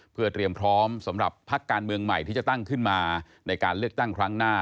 เพื่อเตรียมพร้อมสำหรับพักการเมืองใหม่ที่จะตั้งขึ้นมาในการเลือกตั้งครั้งหน้า